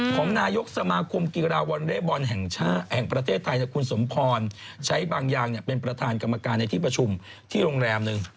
ของนายกสมาคมกีฬาวอลเล่บอลแห่งประเทศไทยคุณสมพรใช้บางอย่างเป็นประธานกรรมการในที่ประชุมที่โรงแรมหนึ่ง